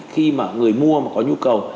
khi mà người mua mà có nhu cầu